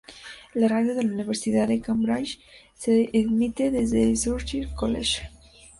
La radio de la Universidad de Cambridge se emite desde el Churchill College.